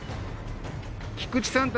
菊池さん